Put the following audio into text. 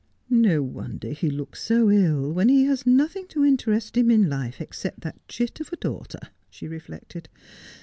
' No wonder he looks so ill when he has nothing to interest him in life except that chit of a daughter,' she reflected.